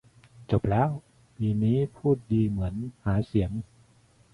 จบแล้ว ปีนี้พูดดีเหมือนหาเสียง